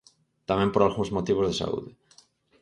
Tamén por algúns motivos de saúde.